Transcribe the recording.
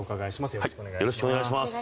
よろしくお願いします。